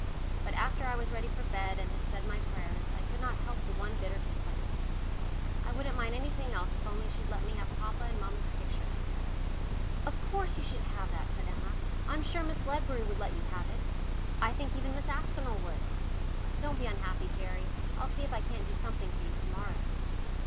But after I was ready for bed and had said my prayers, I could not help the one bitter complaint. "I wouldn't mind anything else if only she'd let me have papa and mamma's picture," I said. "Of course you should have that," said Emma. "I'm sure Miss Ledbury would let you have it. I think even Miss Aspinall would. Don't be unhappy, Gerry, I'll see if I can't do something for you to morrow."